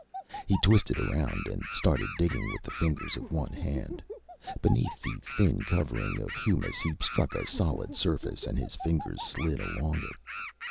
He twisted around and started digging with the fingers of one hand. Beneath the thin covering of humus, he struck a solid surface and his fingers slid along it.